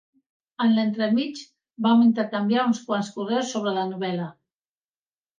En l'entremig, vam intercanviar uns quants correus sobre la novel·la.